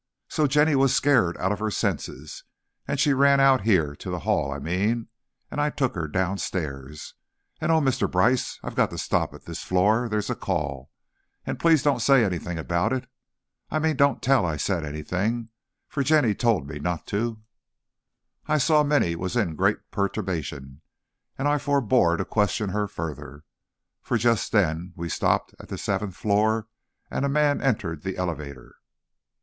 So Jenny was scared out of her senses, and she ran out here, to the hall, I mean, and I took her downstairs, and oh, Mr. Brice, I've got to stop at this floor, there's a call, and please don't say anything about it, I mean don't tell I said anything for Jenny told me not to " I saw Minny was in great perturbation, and I forebore to question her further, for just then we stopped at the seventh floor and a man entered the elevator.